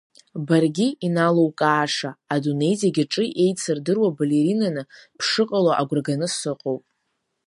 Баргьы иналукааша, адунеи зегьы аҿы еицырдыруа балеринаны бшыҟало агәра ганы сыҟоуп.